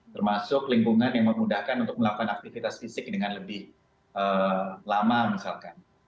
termasuk lingkungan yang memudahkan untuk melakukan aktivitas fisik dengan lebih lama misalkan